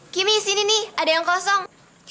kimi sini nih ada yang kosong